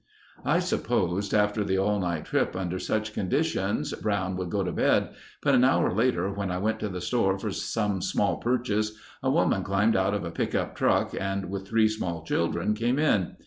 I supposed after the all night trip under such conditions Brown would go to bed but an hour later when I went to the store for some small purchase a woman climbed out of a pickup truck and with three small children, came in.